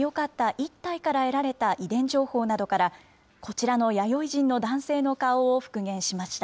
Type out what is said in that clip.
１体から得られた遺伝情報などから、こちらの弥生人の男性の顔を復元しました。